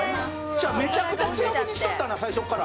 めちゃくちゃ強火にしとったな、最初から。